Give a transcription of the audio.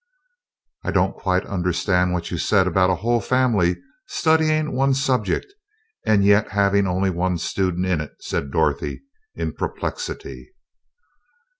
"I don't quite understand what you said about a whole family studying one subject, and yet having only one student in it," said Dorothy, in perplexity.